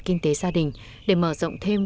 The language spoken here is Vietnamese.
kinh tế gia đình để mở rộng thêm